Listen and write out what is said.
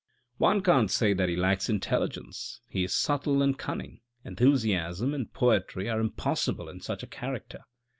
" One can't say that he lacks intelligence ; he is subtle and cunning; enthusiasm and poetry are impossible in such a character.